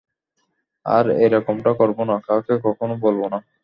আর এরকমটা করবো না, কাউকে কখনো বলবো না।